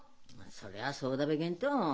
そりゃそうだべげんと。